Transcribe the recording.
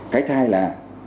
cái thứ hai là